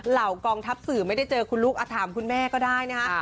เหล่ากองทัพสื่อไม่ได้เจอคุณลูกถามคุณแม่ก็ได้นะฮะ